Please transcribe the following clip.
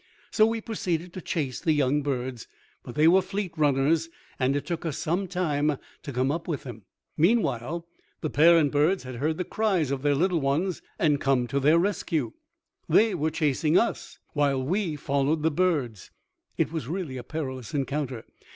So we proceeded to chase the young birds; but they were fleet runners and it took us some time to come up with them. Meanwhile, the parent birds had heard the cries of their little ones and come to their rescue. They were chasing us, while we followed the birds. It was really a perilous encounter!